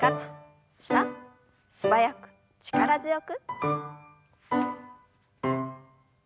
素早く力強く。